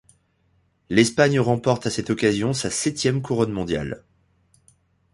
L'Espagne remporte à cette occasion sa septième couronne mondiale.